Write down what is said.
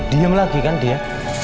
diam lagi kan dia